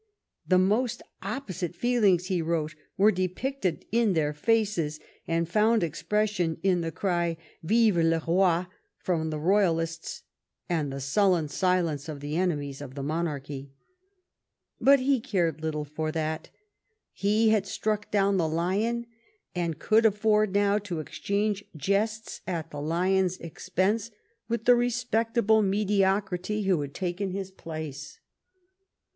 "The most opposite feelings," he wrote, "were depicted in their faces, and found expression in the cry ' Vive le roi^ from the Eoyalists, and the sullen silence of the enemies of the monarchy." But he cared little for that. He had struck down the lion, and he could afford now to exchange jests at the lion's expense with the respectable mediocrity who had taken his place.